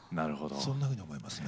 そんなふうに思いますね。